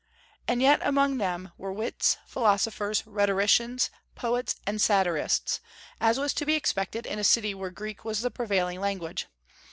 And yet among them were wits, philosophers, rhetoricians, poets, and satirists, as was to be expected in a city where Greek was the prevailing language.